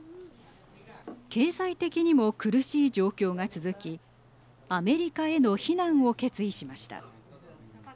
経済的にも苦しい状況が続きアメリカへの避難を決意しました。